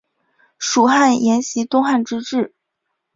蜀汉沿袭东汉之制。